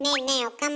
岡村。